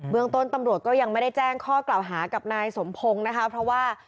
เมืองต้นตำรวจก็ยังไม่ได้แจ้งข้อกล่าวหากับนายสมพงศ์นะคะเพราะว่า